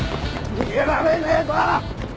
逃げられねえぞ！